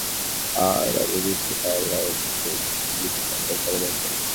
আর আমি বুঝতে পারলাম যে, কিছু জিনিস আপনার জানা দরকার।